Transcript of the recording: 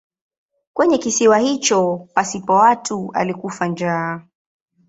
Kwenye kisiwa hicho pasipo watu alikufa njaa.